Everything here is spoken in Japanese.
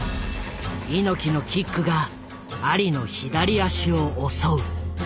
猪木のキックがアリの左足を襲う。